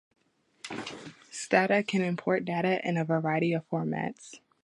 Stata can import data in a variety of formats.